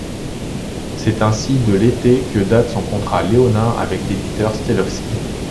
C'est ainsi de l'été que date son contrat léonin avec l'éditeur Stellovski.